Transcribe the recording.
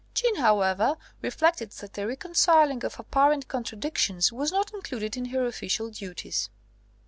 Jeanne, however, reflected that the reconciling of apparent contradictions was not included in her official duties.